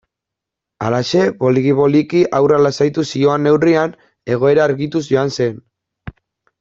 Halaxe, poliki-poliki haurra lasaituz zihoan neurrian, egoera argituz joan zen.